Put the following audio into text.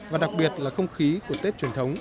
và đặc biệt là không khí của tết truyền thống